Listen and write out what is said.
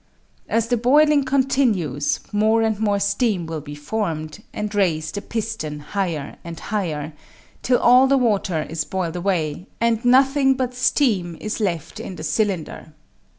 As the boiling continues, more and more steam will be formed, and raise the piston higher and higher, till all the water is boiled away, and nothing but steam is left in the cylinder.